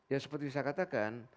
ya seperti saya katakan